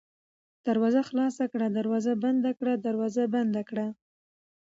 دروازه خلاصه کړه ، دروازه بنده کړه ، دروازه بنده کړه